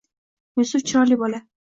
Yusuf chiroyli bola